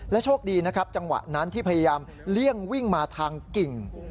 โชคดีนะครับจังหวะนั้นที่พยายามเลี่ยงวิ่งมาทางกิ่ง